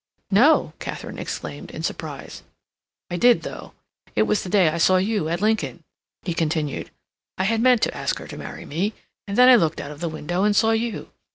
"No!" Katharine exclaimed, in surprise. "I did though. It was the day I saw you at Lincoln," he continued. "I had meant to ask her to marry me, and then I looked out of the window and saw you.